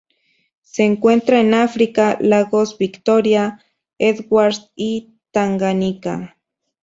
Se encuentran en África: lagos Victoria, Edward y Tanganika.